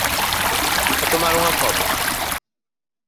A tomar unha copa?